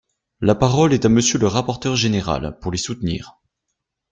La parole est à Monsieur le rapporteur général pour les soutenir.